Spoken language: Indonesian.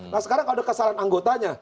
nah sekarang ada kesalahan anggotanya